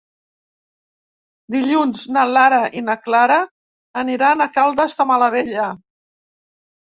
Dilluns na Lara i na Clara aniran a Caldes de Malavella.